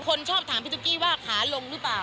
คนชอบถามพี่ตุ๊กกี้ว่าขาลงหรือเปล่า